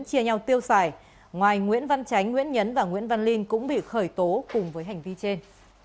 chia nhau tiêu xài ngoài nguyễn văn tránh nguyễn nhấn và nguyễn văn linh cũng bị khởi tố cùng với hành vi trên